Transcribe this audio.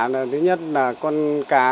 là thứ nhất là con cá